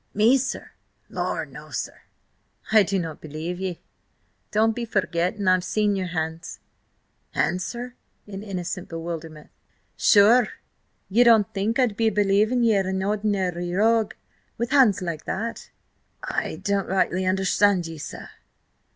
"Me, sir? Lor' no, sir!" "I do not believe ye. Don't be forgettin' I've seen your hands!" "Hands, sir?" in innocent bewilderment "Sure, ye don't think I'd be believing ye an ordinary rogue, with hands like that?" "I don't rightly understand ye, sir?"